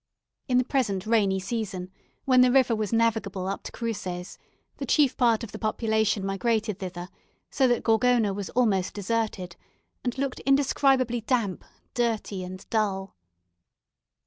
In the present rainy season, when the river was navigable up to Cruces, the chief part of the population migrated thither, so that Gorgona was almost deserted, and looked indescribably damp, dirty, and dull.